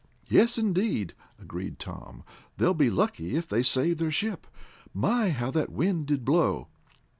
"Yes, indeed," agreed Tom. "They'll be lucky if they save their ship. My, how that wind did blow!"